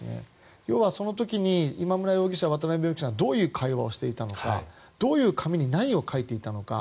要はその時に今村容疑者、渡邉容疑者がどういう会話をしていたのかどういう紙に何を書いていたのか。